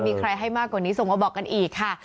มีใครให้มากกว่านี้ส่งมาบอกกันอีกค่ะ